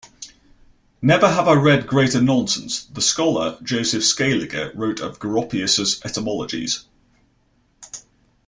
"Never have I read greater nonsense," the scholar Joseph Scaliger wrote of Goropius's etymologies.